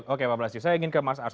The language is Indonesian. oke pak blasius saya ingin ke mas ars